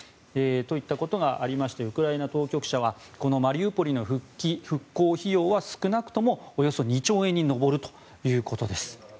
といったことがありましてウクライナ当局者はこのマリウポリの復興費用は少なくともおよそ２兆円に上るということです。